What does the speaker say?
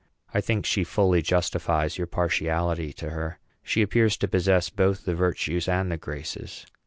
I think she fully justifies your partiality to her. She appears to possess both the virtues and the graces.